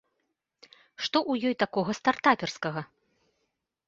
Што ў ёй такога стартаперскага?